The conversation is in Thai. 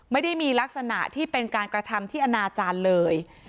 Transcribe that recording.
ไม่ได้มีลักษณะที่เป็นการกระทำที่อนาจารย์เลย